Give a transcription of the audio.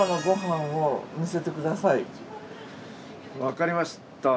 わかりました。